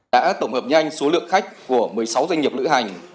đã tổng hợp nhanh số lượng khách của một mươi sáu doanh nghiệp lựa hành